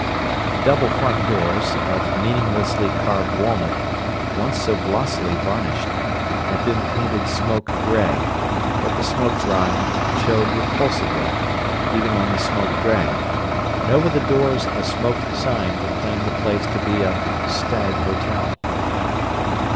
The double front doors, of meaninglessly carved walnut, once so glossily varnished, had been painted smoke gray, but the smoke grime showed repulsively, even on the smoke gray; and over the doors a smoked sign proclaimed the place to be a "Stag Hotel."